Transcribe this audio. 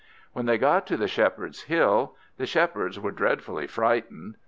When they got to the Shepherds' hill, the Shepherds were dreadfully frightened.